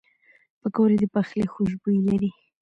پکورې د پخلي خوشبویي لري